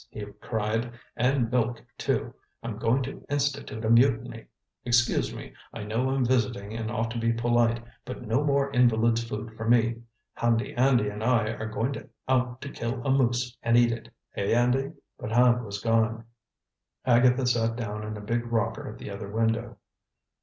he cried. "And milk, too. I'm going to institute a mutiny. Excuse me, I know I'm visiting and ought to be polite, but no more invalid's food for me. Handy Andy and I are going out to kill a moose and eat it eh, Andy?" But Hand was gone. Agatha sat down in a big rocker at the other window.